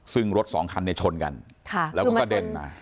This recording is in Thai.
ซึ่งรถสองคันเนี่ยชนกันแล้วก็กระเด็นมา